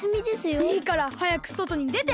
いいからはやくそとにでて！